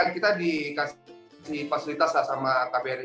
kasih fasilitas lah sama kbri